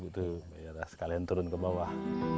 itu sekalian turun ke bawah